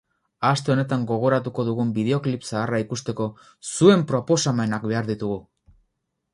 Aste honetan gogoratuko dugun bideoklip zaharra ikusteko, zuen proposamenak behar ditugu!